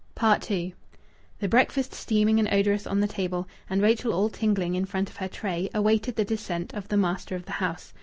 II The breakfast steaming and odorous on the table, and Rachel all tingling in front of her tray, awaited the descent of the master of the house.